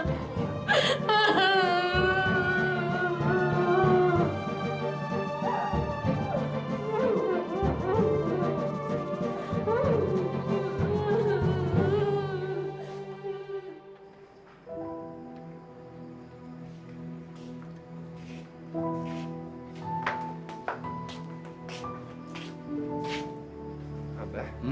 aku mau kevin asma